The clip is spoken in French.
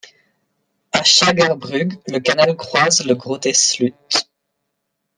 À Schagerbrug, le canal croise le Grote Sloot.